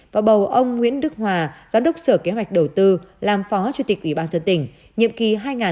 và bầu ông nguyễn đức hòa giám đốc sở kế hoạch đầu tư làm phó chủ tịch ủy ban dân tỉnh nhiệm kỳ hai nghìn một mươi sáu hai nghìn hai mươi